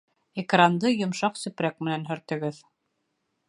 Экранды йомшаҡ сепрәк менән һөртөгөҙ